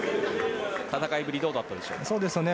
戦いぶりどうだったでしょうか。